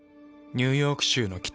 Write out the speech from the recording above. ニューヨーク州の北。